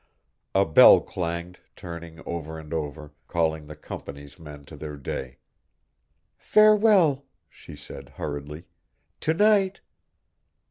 A bell clanged, turning over and over, calling the Company's men to their day. "Farewell," she said, hurriedly. "To night."